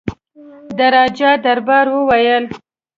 د راجا دربار وویل.